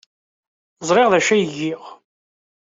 Ẓriɣ d acu ay giɣ.